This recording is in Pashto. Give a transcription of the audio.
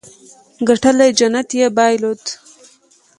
ګټلې جنت يې بايلودو.